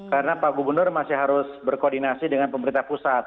karena pak gubernur masih harus berkoordinasi dengan pemerintah pusat